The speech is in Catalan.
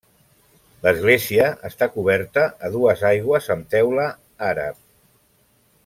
L'església està coberta a dues aigües amb teula àrab.